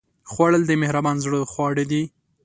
خوړل د مهربان زړه خواړه دي